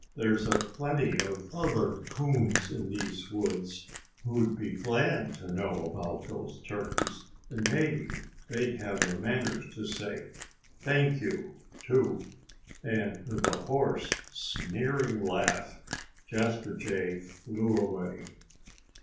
There's a plenty of other coons in these woods who'd be glad to know about those turkeys. And maybe they'd have the manners to say 'Thank you!' too." And with a hoarse, sneering laugh Jasper Jay flew away.